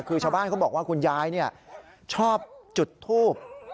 คือชาวบ้านเขาบอกว่าคุณยายชอบจุดทูบ